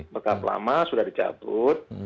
perkap lama sudah dicabut